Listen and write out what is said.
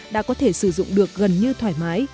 đã có thể sử dụng được gần như thoải mái